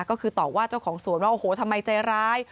ก็คือตอบว่าเจ้าของสวนว่าโอ้โหทำไมใจร้าย